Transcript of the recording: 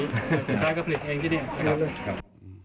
แล้วสุดท้ายก็ผลิตเองใช่ไหมครับ